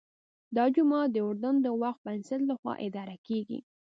دا جومات د اردن د وقف بنسټ لخوا اداره کېږي.